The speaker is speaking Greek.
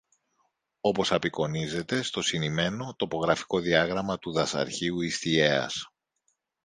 όπως απεικονίζεται στο συνημμένο τοπογραφικό διάγραμμα του Δασαρχείου Ιστιαίας